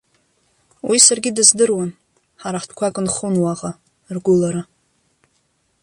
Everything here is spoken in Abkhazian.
Уи саргьы дыздыруан, ҳара ҳтәқәак нхон уаҟа, ргәылара.